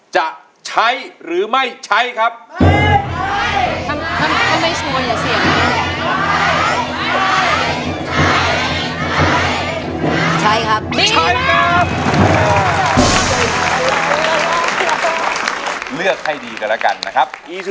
จะใช้หรือไม่ใช้ครับ